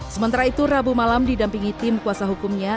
sementara itu rabu malam didampingi tim kuasa hukumnya